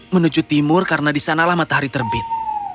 menuju timur karena disanalah matahari terbit